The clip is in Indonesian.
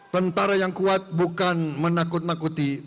tentara yang kuat bukan menakut nakuti